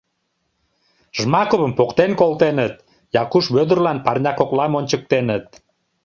Жмаковым поктен колтеныт, Якуш Вӧдырлан парня коклам ончыктеныт.